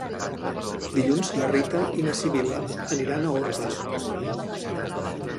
Dilluns na Rita i na Sibil·la aniran a Orba.